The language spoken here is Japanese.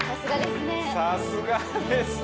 さすがですね。